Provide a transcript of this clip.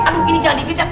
aduh ini jangan dikejar